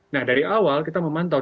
nah dari awal kita memantau